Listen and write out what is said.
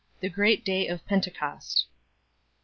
The Great Day of Pentecost. 36